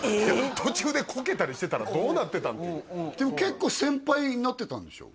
途中でコケたりしてたらどうなってた結構先輩になってたんでしょ？